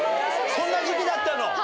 そんな時期だったの？